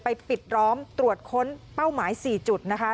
ปิดล้อมตรวจค้นเป้าหมาย๔จุดนะคะ